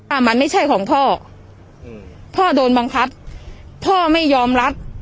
อ่ะมันไม่ใช่ของพ่ออืมพ่อพ่อโดนบังคับพ่อไม่ยอมรับ